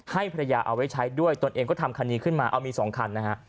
ให้ภรรยาเอาไว้ใช้ด้วยตนเองก็ทำคันนี้ขึ้นมาเอามีสองคันนะฮะ